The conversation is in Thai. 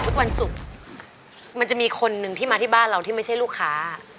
ทุกวันศุกร์มันจะมีคนหนึ่งที่มาที่บ้านเราที่ไม่ใช่ลูกค้า